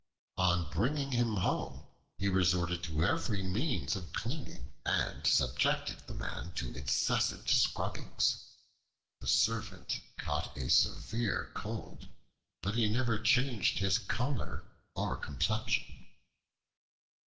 On bringing him home he resorted to every means of cleaning, and subjected the man to incessant scrubbings. The servant caught a severe cold, but he never changed his color or complexion.